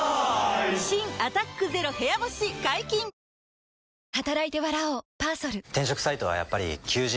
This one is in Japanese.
新「アタックＺＥＲＯ部屋干し」解禁‼あ！